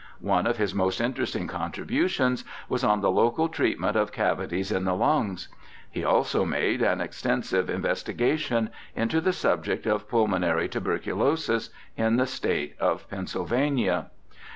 One of his most interesting contributions was on the local treatment of cavities in the lungs. He also made an extensive in vestigation into the subject of pulmonary tuberculosis in the State of Pennsylvania.